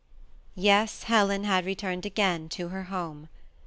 Yes, Helen had returned again to her home.